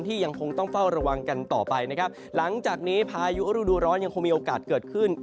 ยังคงต้องเฝ้าระวังกันต่อไปนะครับหลังจากนี้พายุฤดูร้อนยังคงมีโอกาสเกิดขึ้น